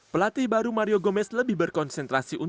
pelatih baru mario gomez lebih berkonsentrasi